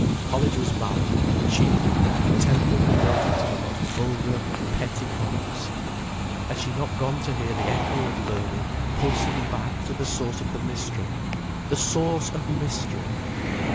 College was barren, cheap, a temple converted to the most vulgar, petty commerce. Had she not gone to hear the echo of learning pulsing back to the source of the mystery?—The source of mystery!